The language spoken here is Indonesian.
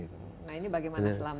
nah ini bagaimana selama